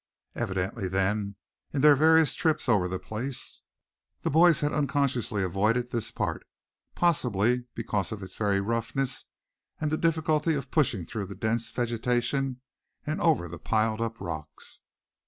Evidently, then, in their various trips over the place, the boys had unconsciously avoided this part; possibly because of its very roughness, and the difficulty of pushing through the dense vegetation, and over the piled up rocks.